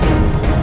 aku akan menang